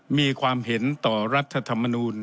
มีความเห็นต่อรัฐธรรมนูล